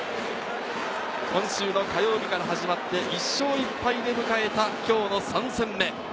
今週の火曜日から始まって、１勝１敗で迎えた今日の３戦目。